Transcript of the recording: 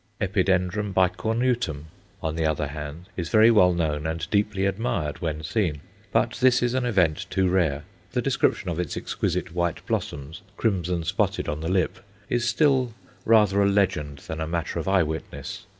Epidendrum bicornutum, on the other hand, is very well known and deeply admired, when seen; but this is an event too rare. The description of its exquisite white blossoms, crimson spotted on the lip, is still rather a legend than a matter of eye witness.